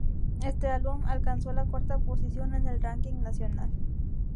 Este álbum alcanzó la cuarta posición en el ranking nacional.